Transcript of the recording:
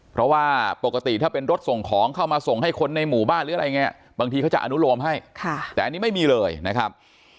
เพราะว่าปกติถ้าเป็นรถส่งของเข้ามาส่งให้คนในหมู่บ้านหรืออะไรอย่างนี้บางทีเขาจะอนุโลมให้แต่อันนี้ไม่มีเลยนะครับ